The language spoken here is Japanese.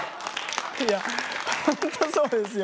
いやほんとそうですよ。